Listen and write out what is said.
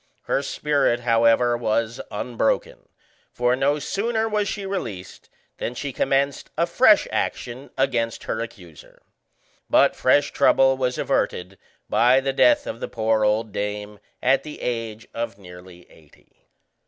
Her spirit, however, was unbroken, for no sooner was she released than she commenced a fresh action against her accuser. But fresh trouble was averted by the death of the poor old dame at the age of nearly eighty.